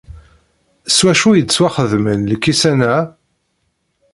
S wacu i d-ttwaxedmen lkkisan-a?